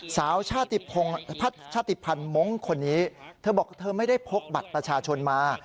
สาวชาติภัณฑ์มงค์คนนี้เธอบอกเธอไม่ได้พกบัตรประชาชนมา